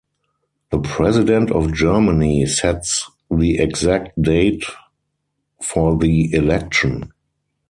The President of Germany sets the exact date for the election.